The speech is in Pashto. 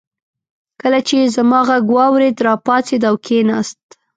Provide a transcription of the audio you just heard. کله چې يې زما غږ واورېد راپاڅېد او کېناست.